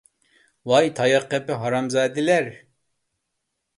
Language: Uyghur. ۋاي تاياق قېپى ھازامزادىلەر!